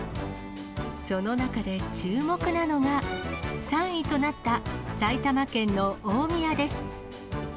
その中で注目なのが、３位となった埼玉県の大宮です。